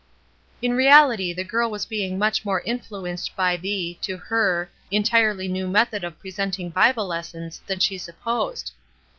In reality the girl was being much more influ enced by the, to her, entirely new method of presenting Bible lessons than she supposed.